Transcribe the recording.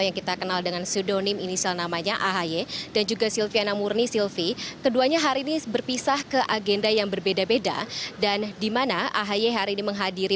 yang satu ini